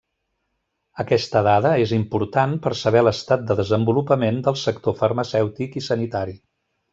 Aquesta dada és important per saber l'estat de desenvolupament del sector farmacèutic i sanitari.